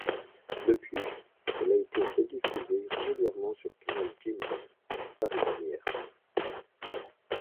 Depuis, elle a été rediffusée régulièrement sur Canal Jimmy et Paris Première.